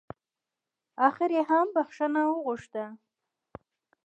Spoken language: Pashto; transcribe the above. اخر يې هم بښنه وغوښته.